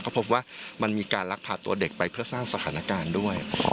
ก็พบว่ามันมีการลักพาตัวเด็กไปเพื่อสร้างสถานการณ์ด้วย